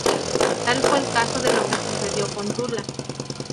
Tal fue el caso de lo que sucedió con Tula.